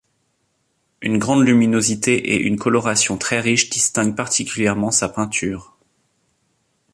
Une grande luminosité et une coloration très riche distingue particulièrement sa peinture.